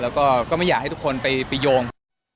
แล้วก็ก็ไม่อยากให้ทุกคนไปโยง